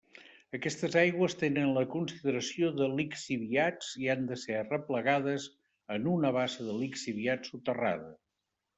Aquestes aigües tenen la consideració de lixiviats i han de ser arreplegades en una bassa de lixiviats soterrada.